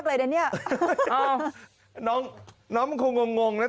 คือยัดเยียดมากเลยนะเนี้ยอ้าวน้องน้องมันคงงงงง